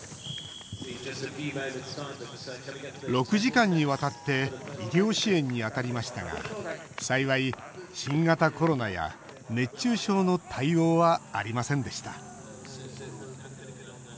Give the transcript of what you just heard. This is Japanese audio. ６時間にわたって医療支援に当たりましたが幸い、新型コロナや熱中症の対応はありませんでした。